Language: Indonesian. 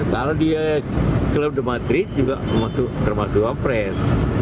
kalau club de madrid juga termasuk wapres